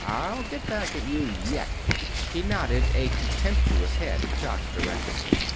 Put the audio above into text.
I'll get back at you yet." He nodded a contemptuous head in Jock's direction.